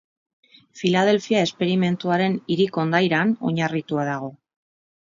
Filadelfia esperimentuaren hiri kondairan oinarritua dago.